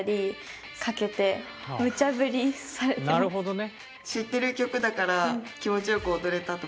なるほどね。